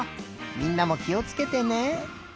みんなもきをつけてね。